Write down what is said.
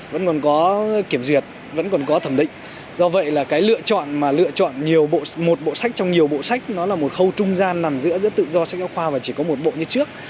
vẫn còn có kiểm duyệt vẫn còn có thẩm định do vậy là cái lựa chọn mà lựa chọn một bộ sách trong nhiều bộ sách nó là một khâu trung gian nằm giữa giữa tự do sách giáo khoa và chỉ có một bộ như trước